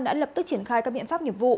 đã lập tức triển khai các biện pháp nghiệp vụ